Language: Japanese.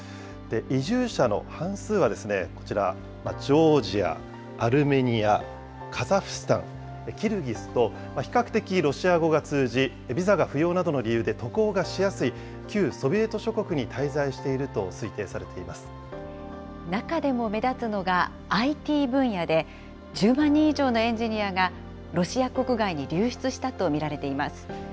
移住者の半数はですね、こちら、ジョージア、アルメニア、カザフスタン、キルギスと、比較的ロシア語が通じ、ビザが不要などの理由で渡航がしやすい旧ソビエト諸国に滞在して中でも目立つのがＩＴ分野で、１０万人以上のエンジニアがロシア国外に流出したと見られています。